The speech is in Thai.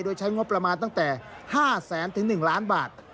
โดยใช้งบประมาณตั้งแต่๕แสนถึง๑ล้านบาท